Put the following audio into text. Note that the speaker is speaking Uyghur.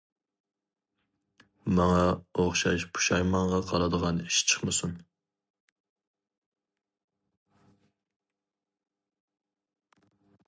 ماڭا ئوخشاش پۇشايمانغا قالىدىغان ئىش چىقمىسۇن.